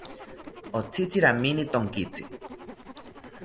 Otzitzi ramini tonkitzi